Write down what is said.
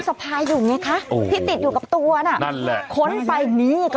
ช่วยเจียมช่วยเจียม